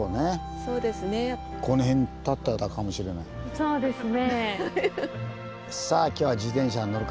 そうですね。